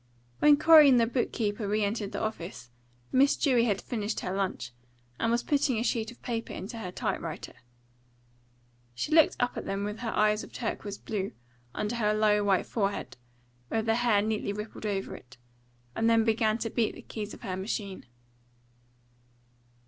When Corey and the book keeper re entered the office, Miss Dewey had finished her lunch, and was putting a sheet of paper into her type writer. She looked up at them with her eyes of turquoise blue, under her low white forehead, with the hair neatly rippled over it, and then began to beat the keys of her machine.